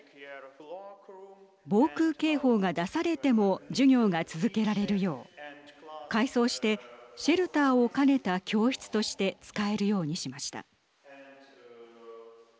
防空警報が出されても授業が続けられるよう改装してシェルターを兼ねた教室として使えるようにしました。